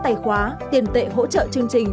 tài khóa tiền tệ hỗ trợ chương trình